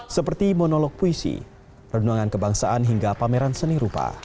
seperti monolog puisi renungan kebangsaan hingga pameran seni rupa